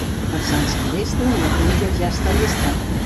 Per Sant Silvestre, la pluja ja està llesta.